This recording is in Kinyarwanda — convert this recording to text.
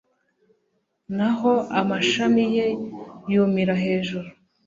naho amashami ye yumira hejuru